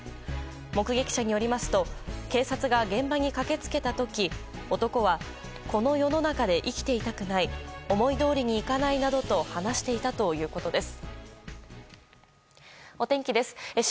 目撃者によりますと警察が現場に駆け付けた時男はこの世の中で生きていたくない思いどおりにいかないなどと話していたということです。